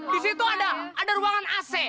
di situ ada ruangan ac